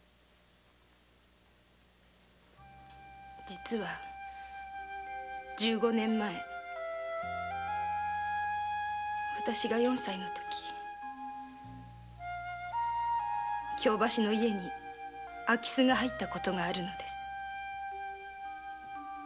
実は１５年前私が４歳の時京橋の家に空き巣が入った事があったんです。